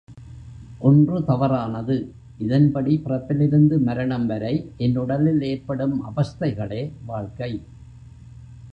ஒன்று தவறானது இதன்படி பிறப்பிலிருந்து மரணம் வரை என் உடலில் ஏற்படும் அவஸ்தைகளே வாழ்க்கை.